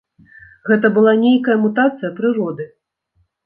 Гэта была нейкая мутацыя прыроды.